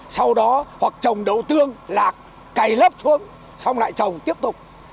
sau đó hoặc trồng đầu tương lạc cày lấp xuống lại trồng tiếp tục